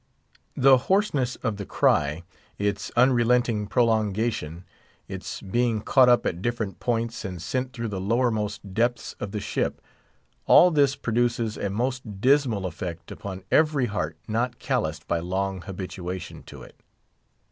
_" The hoarseness of the cry, its unrelenting prolongation, its being caught up at different points, and sent through the lowermost depths of the ship; all this produces a most dismal effect upon every heart not calloused by long habituation to it.